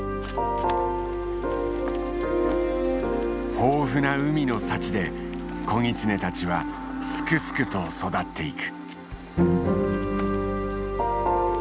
豊富な海の幸で子ギツネたちはすくすくと育っていく。